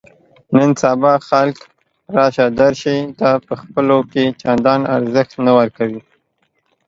نن سبا خلک راشه درشې ته په خپلو کې چندان ارزښت نه ورکوي.